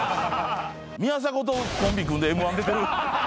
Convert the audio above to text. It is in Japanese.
宮迫とコンビ組んでＭ−１出てる。